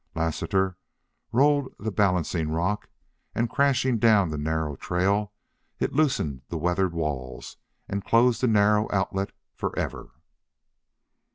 Lassiter rolled the balancing rock, and, crashing down the narrow trail, it loosened the weathered walls and closed the narrow outlet for ever."